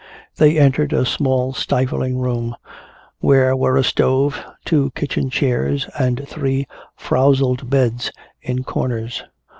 They entered a small stifling room where were a stove, two kitchen chairs and three frowzled beds in corners.